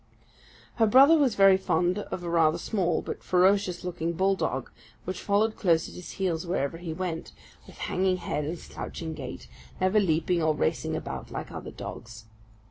Her brother was very fond of a rather small, but ferocious looking bull dog, which followed close at his heels, wherever he went, with hanging head and slouching gait, never leaping or racing about like other dogs.